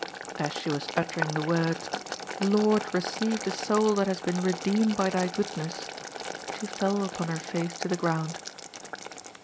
As she was uttering the words, "Lord, receive the soul that has been redeemed by Thy goodness," she fell upon her face to the ground.